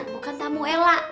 bukan tamu ella